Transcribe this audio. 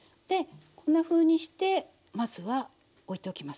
こんなふうにしてまずはおいておきます。